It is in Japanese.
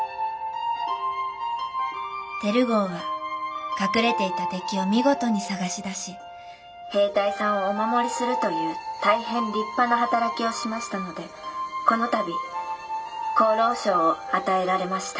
テル号は隠れていた敵を見事に探し出し兵隊さんをお守りするという大変立派な働きをしましたのでこの度功労賞を与えられました。